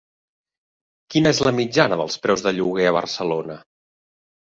Quina és la mitjana dels preus de lloguer a Barcelona?